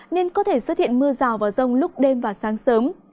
nên có thể xuất hiện mưa rào và rông lúc đêm và sáng sớm